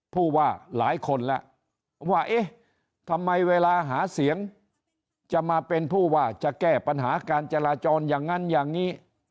ผู้ว่าหลายคนแล้วว่าเอ๊ะทำไมเวลาหาเสียงจะมาเป็นผู้ว่าจะแก้ปัญหาการจราจรอย่างนั้นอย่างนี้